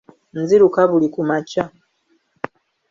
Nziruka buli kumakya.